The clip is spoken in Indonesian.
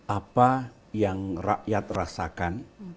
apa yang rakyat rasakan